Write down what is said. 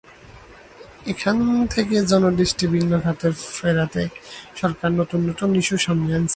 এখান থেকে জনদৃষ্টি ভিন্ন খাতে ফেরাতে সরকার নতুুন নতুন ইস্যু সামনে আনছে।